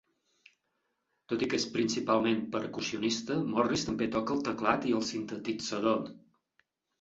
Tot i que és principalment percussionista, Morris també toca el teclat i el sintetitzador.